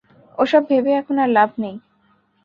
ওসব ভেবে এখন আর লাভ নেই।